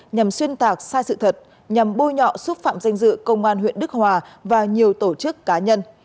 nhằm xuyên tạc sai sự thật nhằm bôi nhọ xúc phạm danh dự công an huyện đức hòa và nhiều tổ chức cá nhân